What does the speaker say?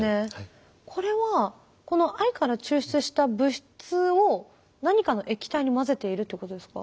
これは藍から抽出した物質を何かの液体に混ぜているっていうことですか？